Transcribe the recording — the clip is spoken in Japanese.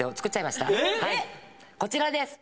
はいこちらです！